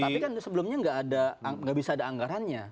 tapi kan sebelumnya nggak ada nggak bisa ada anggarannya